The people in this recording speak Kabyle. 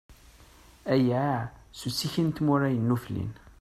Aya, s uttiki n tmura yennuflin.